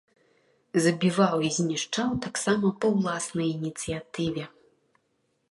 Забіваў і знішчаў таксама па ўласнай ініцыятыве.